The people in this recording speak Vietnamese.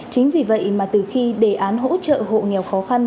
chính vì vậy mà từ khi đề án hỗ trợ hộ nghèo khó khăn